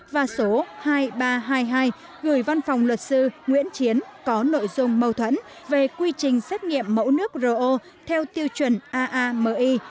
và số hai nghìn ba trăm hai mươi hai gửi văn phòng luật sư nguyễn chiến có nội dung mâu thuẫn về quy trình xét nghiệm mẫu nước ro theo tiêu chuẩn aami